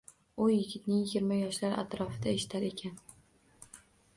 U yigitning yigirma yoshlar atrofida eshitar ekan